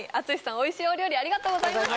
おいしいお料理ありがとうございました！